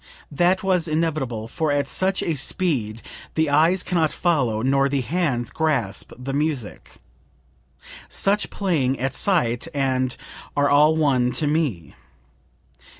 That was inevitable, for at such speed the eyes can not follow, nor the hands grasp, the music. Such playing at sight and...are all one to me.